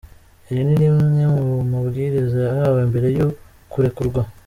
Iri ni rimwe mu mabwiriza yahawe mbere yo kurekurwa.